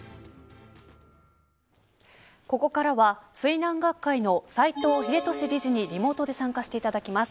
ここからは、水難学会の斎藤秀俊理事にリモートで参加していただきます。